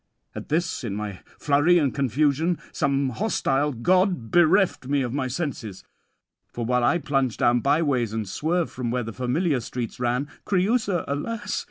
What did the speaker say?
At this, in my flurry and confusion, some hostile god bereft me of my senses. For while I plunge down byways, and swerve from where the familiar streets ran, Creüsa, alas!